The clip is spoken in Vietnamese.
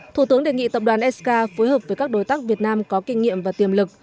thủ tướng đề nghị tập đoàn sk phối hợp với các đối tác việt nam có kinh nghiệm và tiềm lực